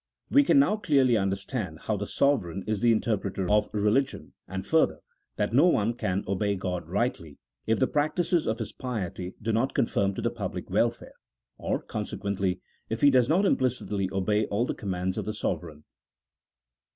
"We can now clearly under stand how the sovereign is the interpreter of religion, and further, that no one can obey God rightly, if the practices of his piety do not conform to the public welfare ; or, con sequently, if he does not implicitly obey all the commands of the sovereign.